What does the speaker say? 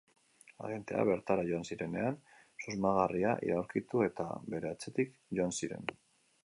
Agenteak bertara joan zirenean, susmagarria aurkitu eta bere atzetik joan ziren.